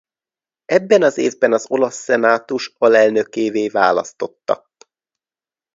Ebben az évben az olasz szenátus alelnökévé választotta.